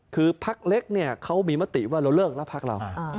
คือพักเล็กเนี่ยเขามีมติว่าเราเลิกแล้วพักเรา